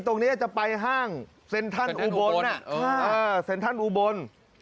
ตรงนี้จะไปห้างเซ็นทรัลอุบลเซ็นทันอุบล